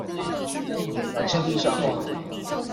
纜線地下化